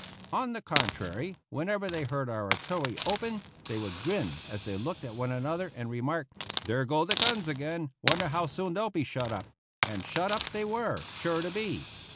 On the contrary, whenever they heard our artillery open they would grin as they looked at one another and remark, "There go the guns again; wonder how soon they'll be shut up," and shut up they were sure to be.